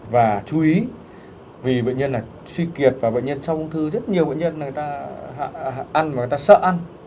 và chú ý vì bệnh nhân này suy kiệt và bệnh nhân trong ung thư rất nhiều bệnh nhân người ta ăn và người ta sợ ăn